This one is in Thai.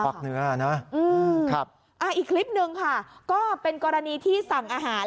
ปักเนื้อนะอีกคลิปนึงค่ะก็เป็นกรณีที่สั่งอาหาร